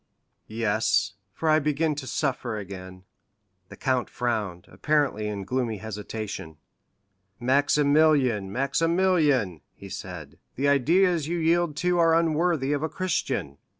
"Yes; for I begin to suffer again." The count frowned, apparently in gloomy hesitation. "Maximilian, Maximilian," he said, "the ideas you yield to are unworthy of a Christian."